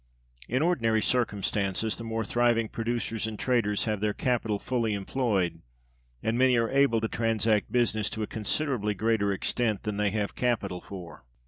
In [ordinary] circumstances, the more thriving producers and traders have their capital fully employed, and many are able to transact business to a considerably greater extent than they have capital for.